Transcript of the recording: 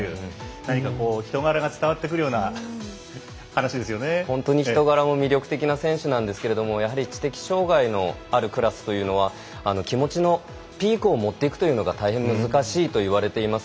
何かこう人柄が本当に人柄も魅力的な選手なんですけれどもやはり知的障がいのあるクラスというのは気持ちのピークを持っていくのが大変難しいといわれています。